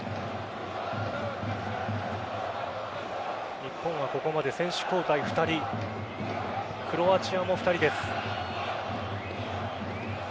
日本はここまで選手交代２人クロアチアも２人です。